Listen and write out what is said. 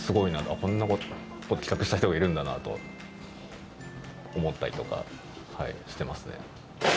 こんなこと企画した人がいるんだなと思ったりとかしてますね。